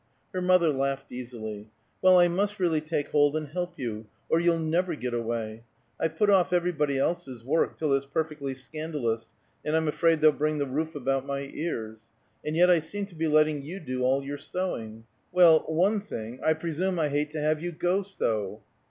Her mother laughed easily. "Well, I must really take hold and help you, or you'll never get away. I've put off everybody else's work, till it's perfectly scandalous, and I'm afraid they'll bring the roof about my ears, and yet I seem to be letting you do all your sewing. Well, one thing, I presume I hate to have you go so!"